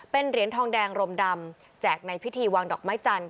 เป็นเหรียญทองแดงรมดำแจกในพิธีวางดอกไม้จันท